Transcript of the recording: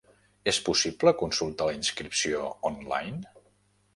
És possible consultar la inscripció online?